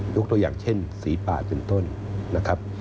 ยุคตัวอย่างเช่นศรีปาสเป็นต้นนะครับ